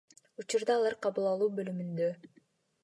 Учурда алар кабыл алуу бөлүмүндө.